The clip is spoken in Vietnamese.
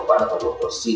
ba đứa người có xin